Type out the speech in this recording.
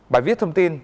bài viết thông tin